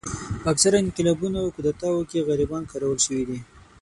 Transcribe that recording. په اکثره انقلابونو او کودتاوو کې غریبان کارول شوي دي.